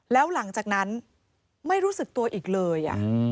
แล้วหลังจากนั้นไม่รู้สึกตัวอีกเลย